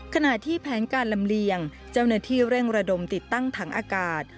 ขณะที่แผนการลำเลียงเจ้าหน้าที่เร่งระดมติดตั้งถังอากาศ